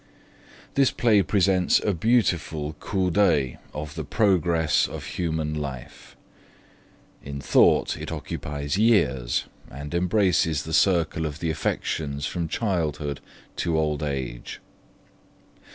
This play presents a beautiful coup d'oeil of the progress of human life. In thought it occupies years, and embraces the circle of the affections from childhood to old age.